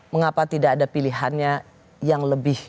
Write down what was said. mengapa tidak ada pilihannya yang lebih